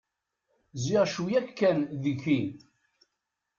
Ziɣ cwiyya-k kan deg-ki!